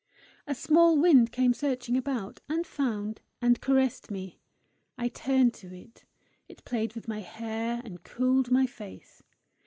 A small wind came searching about, and found, and caressed me. I turned to it; it played with my hair, and cooled my face.